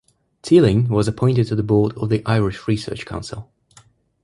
Teeling was appointed to the board of the Irish Research Council.